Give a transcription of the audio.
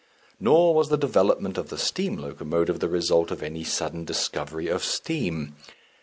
Nor was the development of the steam locomotive the result of any sudden discovery of steam.